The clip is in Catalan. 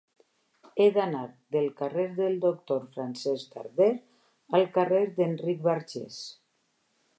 He d'anar del carrer del Doctor Francesc Darder al carrer d'Enric Bargés.